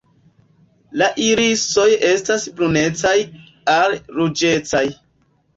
La irisoj estas brunecaj al ruĝecaj.